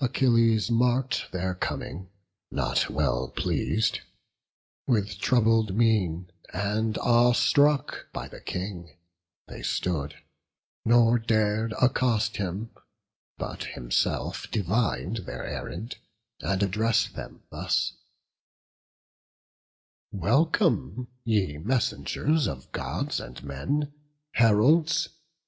Achilles mark'd their coming, not well pleas'd: With troubled mien, and awe struck by the King, They stood, nor dar'd accost him; but himself Divin'd their errand, and address'd them thus: "Welcome, ye messengers of Gods and men, Heralds!